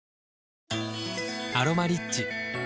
「アロマリッチ」